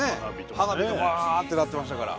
花火ドカーンってなってましたから。